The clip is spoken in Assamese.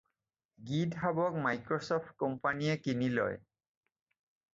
গিটহাবক মাইক্ৰ'ছ'ফ্ট কোম্পানীয়ে কিনি লয়।